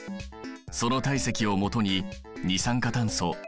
その体積をもとに二酸化炭素